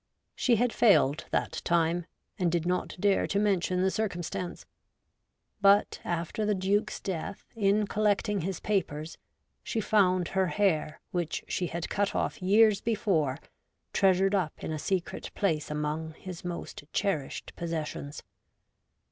She had failed that time, and did not dare to mention the circumstance. But, after the Duke's death, in collecting his papers, she found her hair which she had cut off years before treasured up in a secret place among his most cherished possessions.